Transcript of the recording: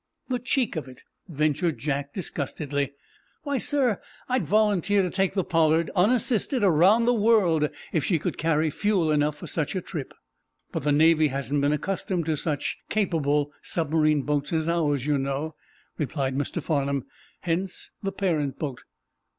"The cheek of it," vented Jack, disgustedly. "Why, sir, I'd volunteer to take the 'Pollard,' unassisted, around the world, if she could carry fuel enough for such a trip." "But the Navy hasn't been accustomed to such capable submarine boats as ours, you know," replied Mr. Farnum. "Hence the parent boat."